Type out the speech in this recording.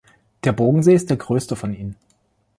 Der Bogensee ist der größte von ihnen.